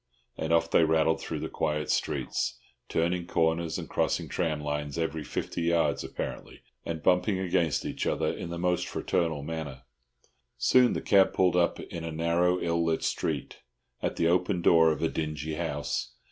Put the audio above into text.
And off they rattled through the quiet streets, turning corners and crossing tramlines every fifty yards apparently, and bumping against each other in the most fraternal manner. Soon the cab pulled up in a narrow, ill lit street, at the open door of a dingy house.